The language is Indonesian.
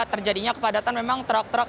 terjadinya kepadatan memang truk truk